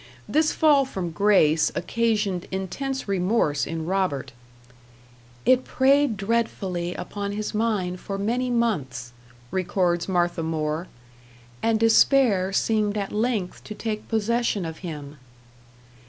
This fall from grace occasioned intense remorse in Robert. "It preyed dreadfully upon his mind for many months," records Martha More, "and despair seemed at length to take possession of him."